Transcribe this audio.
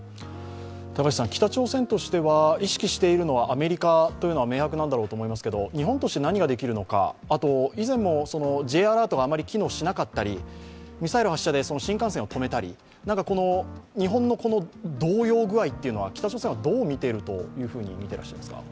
北朝鮮としては意識しているのはアメリカというのは明白なんだろうと思いますけど、日本として何かできるのか、以前もＪアラートがあまり機能しなかったり、ミサイル発射で新幹線を止めたり日本の動揺具合というのは北朝鮮はどう見ていると見ていらっしゃいますか？